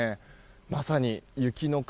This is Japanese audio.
まさに雪の壁